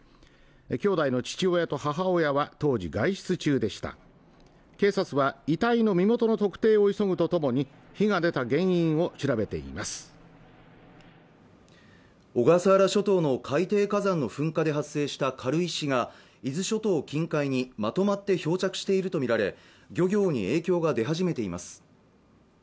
兄弟の父親と母親は当時外出中でした警察は遺体の身元の特定を急ぐとともに火が出た原因を調べています小笠原諸島の海底火山の噴火で発生した軽石が伊豆諸島近海にまとまって漂着していると見られ漁業に影響が出始めています